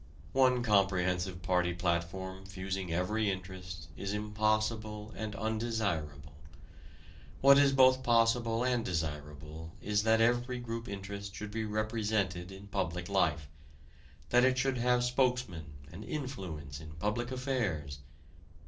One comprehensive party platform fusing every interest is impossible and undesirable. What is both possible and desirable is that every group interest should be represented in public life that it should have spokesmen and influence in public affairs.